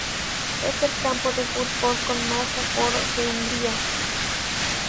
Es el campo de fútbol con más aforo de Hungría.